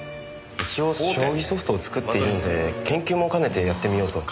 一応将棋ソフトを作っているので研究も兼ねてやってみようと。